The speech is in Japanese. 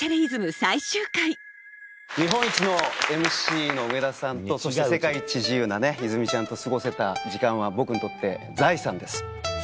日本一のＭＣの上田さんとそして世界一自由な泉ちゃんと過ごせた時間は僕にとって財産です。